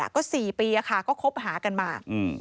ก็๔ปีก็คบหากันมา